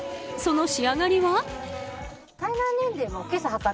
その仕上がりは？